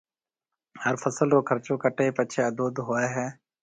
هر فصل رو خرچو ڪٽيَ پڇيَ اڌواڌ هوئي هيَ۔